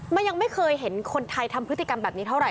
มันยังไม่เคยเห็นคนไทยทำพฤติกรรมแบบนี้เท่าไห